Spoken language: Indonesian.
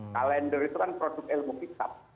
kalender itu kan produk ilmu hitam